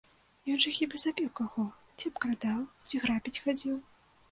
Ён жа хіба забіваў каго, ці абкрадаў, ці грабіць хадзіў?